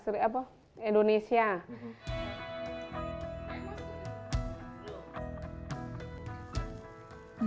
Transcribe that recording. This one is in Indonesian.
kegiatan usaha olahan singkong ini tidak hanya untuk membuat usaha olahan singkong